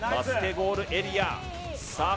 ゴールエリアさあ